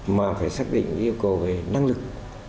mà phải xác định yêu cầu về năng lực